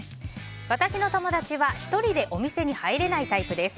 私の友達は１人でお店に入れないタイプです。